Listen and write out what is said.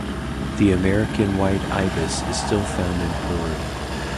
The American white ibis is still found in Peru.